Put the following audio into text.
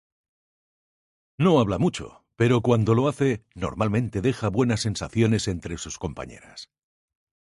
No habla mucho, pero cuando lo hace, normalmente deja buenas sensaciones entre sus compañeras.